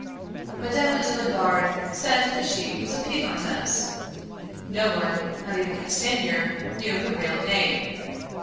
Mme. de la Garde said that she was a Piedmontese. No one, not even Castanier, knew her real name.